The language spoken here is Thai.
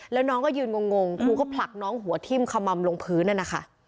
แล้วน้องก็ยืนงงครูก็ผลักน้องหัวทิ้มขมมลงพื้น